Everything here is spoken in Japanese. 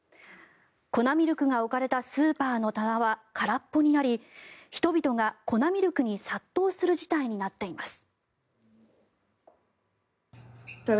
粉ミルクが置かれたスーパーの棚は空っぽになり人々が粉ミルクに殺到する事態になっています。